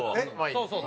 そうそう！